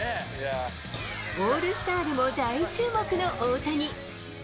オールスターでも大注目の大谷。